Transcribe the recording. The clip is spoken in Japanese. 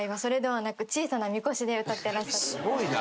すごいな。